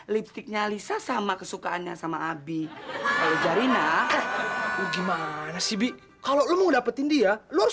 lipstiknya lisa sama kesukaannya sama abi kalau zarina gimana sih kalau mau dapetin dia lu harus